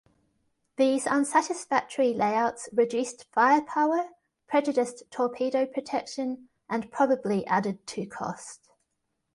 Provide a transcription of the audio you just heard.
These unsatisfactory layouts reduced firepower, prejudiced torpedo protection and probably added to cost.